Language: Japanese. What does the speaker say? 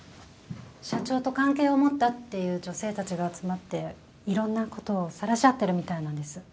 社長と関係を持ったっていう女性たちが集まっていろんなことをさらし合ってるみたいなんです。